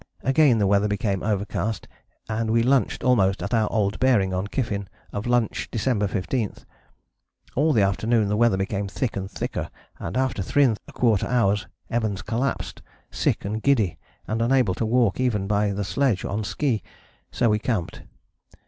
Again the weather became overcast and we lunched almost at our old bearing on Kyffin of lunch Dec. 15. All the afternoon the weather became thick and thicker and after 3¼ hours Evans collapsed, sick and giddy, and unable to walk even by the sledge on ski, so we camped.